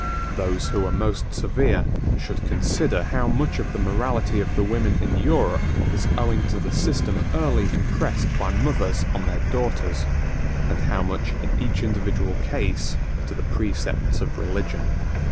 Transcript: Those who are most severe, should consider how much of the morality of the women in Europe is owing to the system early impressed by mothers on their daughters, and how much in each individual case to the precepts of religion.